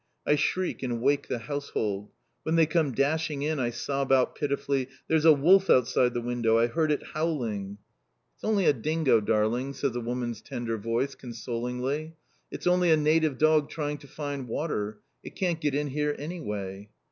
I shriek and wake the household. When they come dashing in I sob out pitifully. "There's a wolf outside the window, I heard it howling!" "It's only a dingo, darling!" says a woman's tender voice, consolingly. "It's only a native dog trying to find water! It can't get in here anyway."